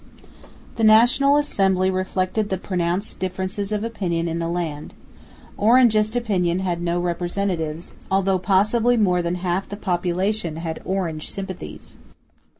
The National Assembly reflected the pronounced differences of opinion in the land. Orangist opinion had no representatives, although possibly more than half the population had Orange sympathies.